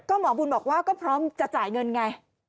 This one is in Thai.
หมอบุญบอกว่าก็พร้อมจะจ่ายเงินไง